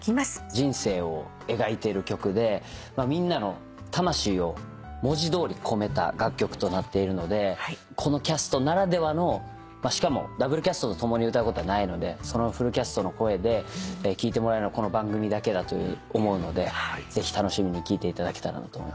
人生を描いてる曲でみんなの魂を文字通り込めた楽曲となっているのでこのキャストならではのしかもダブルキャストと共に歌うことはないのでフルキャストの声で聴いてもらえるのはこの番組だけだと思うのでぜひ楽しみに聴いていただけたらなと思います。